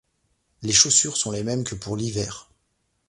Les chaussures sont les mêmes que pour l'hiver.